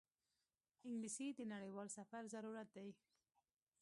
انګلیسي د نړیوال سفر ضرورت دی